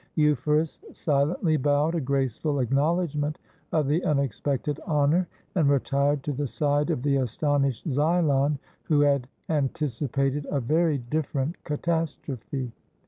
Euphorus silently bowed a graceful acknowledgment of the unexpected honor, and retired to the side of the astonished Xylon, who had anticipated a very different catastrophe.